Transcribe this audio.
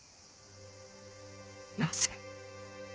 なぜ？